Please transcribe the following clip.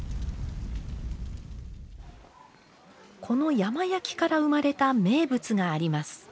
この山焼きから生まれた名物があります。